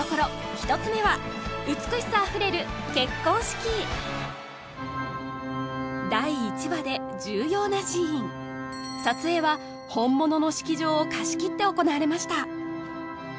１つ目は第１話で重要なシーン撮影は本物の式場を貸し切って行われました